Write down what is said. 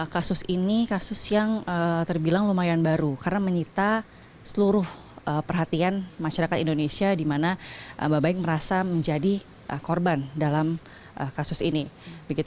kasus ini kasus yang terbilang lumayan baru karena menyita seluruh perhatian masyarakat indonesia di mana mbak baik merasa menjadi korban dalam kasus ini